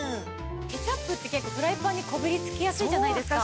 ケチャップって結構フライパンにこびりつきやすいじゃないですか。